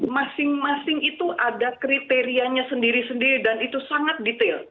masing masing itu ada kriterianya sendiri sendiri dan itu sangat detail